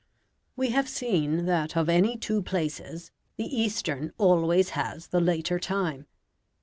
We have seen that of any two places the eastern always has the later time.